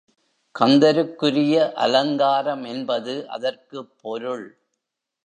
கந்தருக்குரிய அலங்காரம் என்பது அதற்குப் பொருள்.